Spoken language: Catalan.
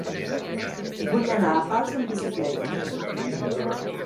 Vull anar a Pals amb bicicleta.